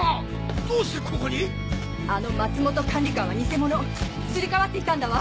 どうしてここに⁉あの松本管理官はニセモノすり替わっていたんだわ。